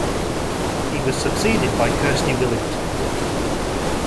He was succeeded by Kirsty Williams.